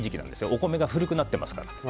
お米が古くなってますから。